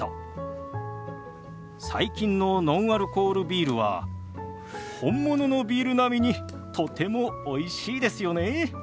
最近のノンアルコールビールは本物のビール並みにとてもおいしいですよね。